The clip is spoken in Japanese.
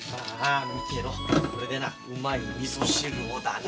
これでなうまいみそ汁をだな。